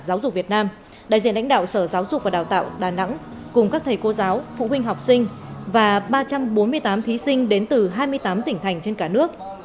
giáo dục việt nam đại diện lãnh đạo sở giáo dục và đào tạo đà nẵng cùng các thầy cô giáo phụ huynh học sinh và ba trăm bốn mươi tám thí sinh đến từ hai mươi tám tỉnh thành trên cả nước